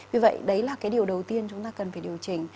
vì vậy đấy là cái điều đầu tiên chúng ta cần phải điều chỉnh